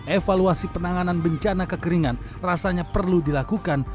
evaluasi penanganan bencana kekeringan rasanya perlu dilakukan